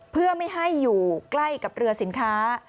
เพื่อไม่ให้อยู่ใกล้กับเรือสินค้า